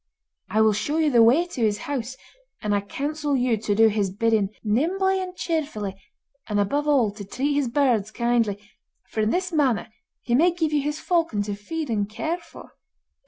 I will show you the way to his house, and I counsel you to do his bidding, nimbly and cheerfully, and, above all, to treat his birds kindly, for in this manner he may give you his falcon to feed and care for.